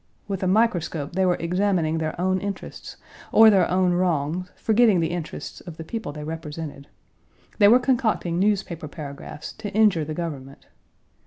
With a microscope they were examining their own interests, or their own wrongs, forgetting the interests of the people they represented. They were concocting newspaper paragraphs to injure the government.